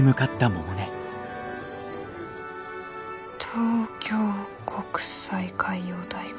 東京国際海洋大学。